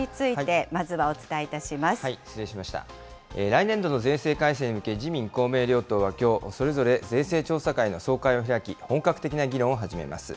来年度の税制改正に向け、自民、公明両党はきょう、それぞれ税制調査会の総会を開き、本格的な議論を始めます。